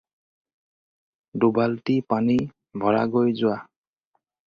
দুবাল্টি পানী ভৰাগৈ যোৱা।